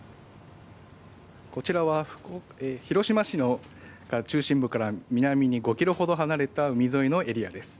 こちらは広島市の中心部から南に５ｋｍほど離れた海沿いのエリアです。